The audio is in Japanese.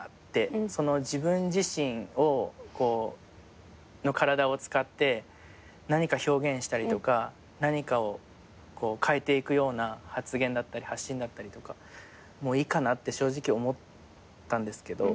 自分自身の体を使って何か表現したりとか何かを変えていくような発言だったり発信だったりとかもういいかなって正直思ったんですけど。